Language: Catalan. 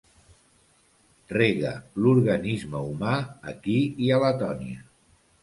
Rega l'organisme humà aquí i a Letònia.